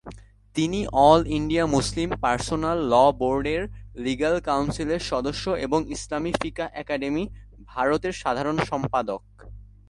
তিনি all India Muslim personal law বোর্ডের legal কাউন্সিলের সদস্য এবং ইসলামি ফিকহ একাডেমি, ভারতের সাধারণ সম্পাদক।